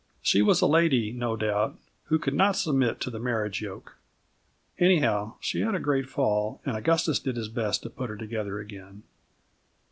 She was a lady, no doubt, who could not submit to the marriage yolk. Anyhow, she had a great fall, and Augustus did his best to put her together again.